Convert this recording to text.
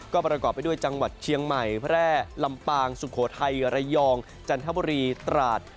ก็ประกอบไปด้วยจังหวัดเชียงใหม่แพร่ลำปางสุโขทัยระยองจันทบุรีตราด